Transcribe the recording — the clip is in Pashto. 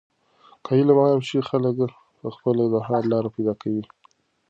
که علم عام شي، خلک په خپله د حل لارې پیدا کوي.